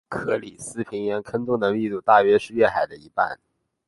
克里斯平原坑洞的密度大约是月海的一半。